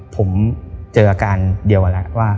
ผมเจออาการเดียวนั้นแหละ